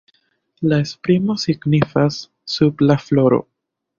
La esprimo signifas „sub la floro“.